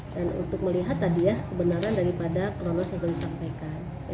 dan untuk melihat tadi ya kebenaran daripada kronologis yang disampaikan